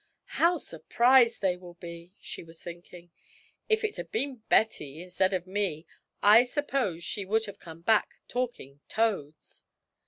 'How surprised they will be!' she was thinking. 'If it had been Betty, instead of me, I suppose she would have come back talking toads!